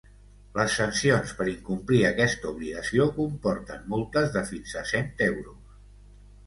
Les sancions per incomplir aquesta obligació comporten multes de fins a cent euros.